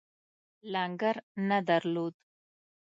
لنګر نه درلود.